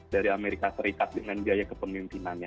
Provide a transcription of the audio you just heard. dari amerika serikat dengan biaya kepemimpinannya